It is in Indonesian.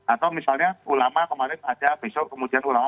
atau misalnya ulama kemarin ada besok kemudian ulama